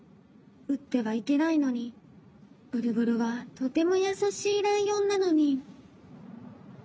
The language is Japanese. うってはいけないのにブルブルはとてもやさしいライオンなのに。